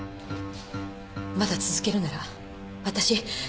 まだ続けるならわたし